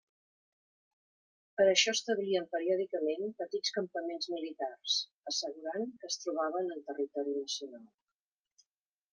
Per a això establien periòdicament petits campaments militars, assegurant que es trobaven en territori nacional.